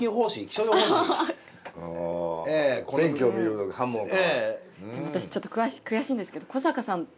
私ちょっと悔しいんですけど古坂さんと結構近い。